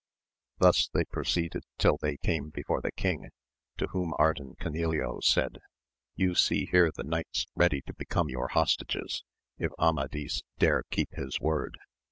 Thus they proceeded till they came before the king, to whom Ardan Canileo said, You see here the knights ready to become your hostages, if Armadis dare keep his word.